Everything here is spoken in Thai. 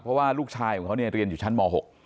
เพราะว่าลูกชายของเขาเนี่ยเรียนอยู่ชั้นม๖